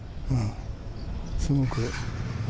すごく。